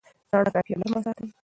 رڼا کافي او نرمه وساتئ.